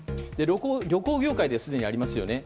旅行業界ですでにありますよね